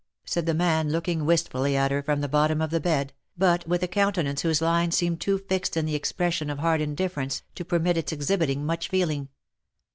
said the man looking wistfully at her from the bottom of the bed, but with a countenance whose lines seemed too fixed in the expression of hard indifference, to permit its exhibiting much feeling.